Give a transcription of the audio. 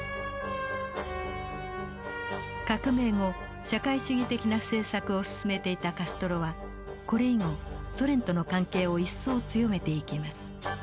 革命後社会主義的な政策を進めていたカストロはこれ以後ソ連との関係を一層強めていきます。